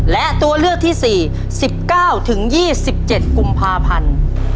และตัวเลือกที่๔๑๙๒๗กุมภาพันธ์